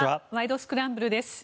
スクランブル」です。